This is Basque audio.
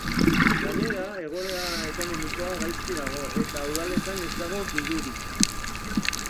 Gainera, egoera ekonomikoa gaizki dago eta udaletan ez dago dirurik.